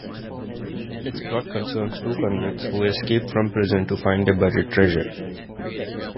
Its plot concerns two convicts who escape from prison to find a buried treasure.